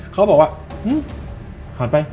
เขาบอกว่าหันไป